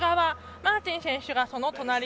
マーティン選手がその隣。